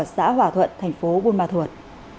xã hòa thuận tp bân mò thuật